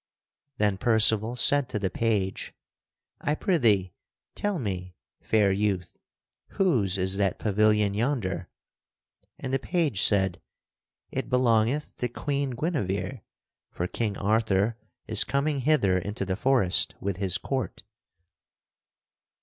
Then Percival said to the page: "I prithee tell me, fair youth, whose is that pavilion yonder?" And the page said: "It belongeth to Queen Guinevere; for King Arthur is coming hither into the forest with his court."